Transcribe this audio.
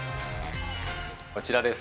こちらです。